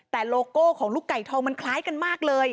แต่โลโก้ของลูกไก่ทองมันคล้ายกันมากเลย